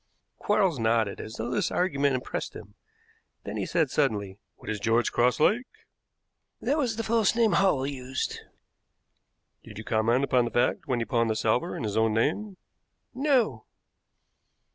Quarles nodded, as though this argument impressed him; then he said suddenly: "What is George Cross like?" "That was the false name Hall used." "Did you comment upon the fact when he pawned the salver in his own name?" "No."